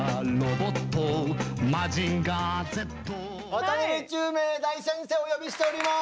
渡辺宙明大先生お呼びしております！